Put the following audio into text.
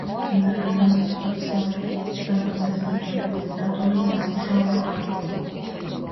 დაიცავი სისუფთავე და მოწესრიგებული დატოვე სამუშაო ადგილი.